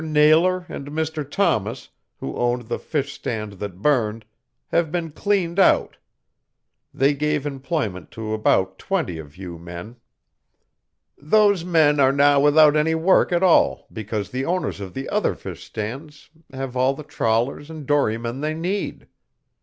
Nailor and Mr. Thomas, who owned the fish stand that burned, have been cleaned out. They gave employment to about twenty of you men. "Those men are now without any work at all because the owners of the other fish stands have all the trawlers and dorymen they need.